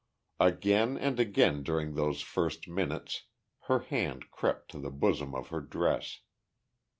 Again and again during those first minutes her hand crept to the bosom of her dress.